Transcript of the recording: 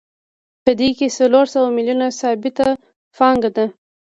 په دې کې څلور سوه میلیونه ثابته پانګه ده